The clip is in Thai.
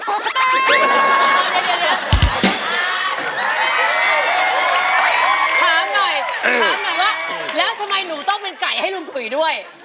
ถามหน่อยแล้วทำไมหนูต้องเป็นไก่ให้หนุ่มถุยด้วย